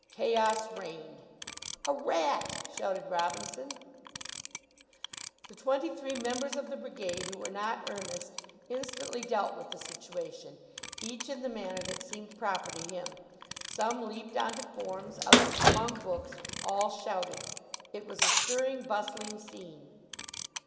Chaos reigned. "A rat!" shouted Robinson. The twenty three members of the Brigade who were not earnest instantly dealt with the situation, each in the manner that seemed proper to him. Some leaped on to forms, others flung books, all shouted. It was a stirring, bustling scene.